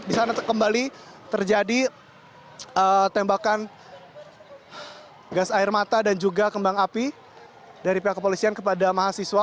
di sana kembali terjadi tembakan gas air mata dan juga kembang api dari pihak kepolisian kepada mahasiswa